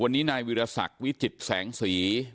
วันนี้นายวิรสักวิจิตรแสงสี